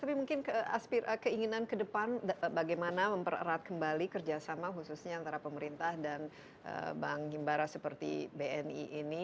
tapi mungkin keinginan ke depan bagaimana mempererat kembali kerjasama khususnya antara pemerintah dan bank himbara seperti bni ini